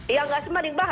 ya nggak sebanding mbak